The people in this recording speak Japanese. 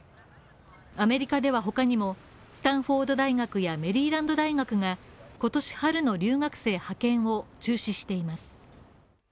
アメリカでは、他にもスタンフォード大学やメリーランド大学が今年春の留学生派遣を中止しています。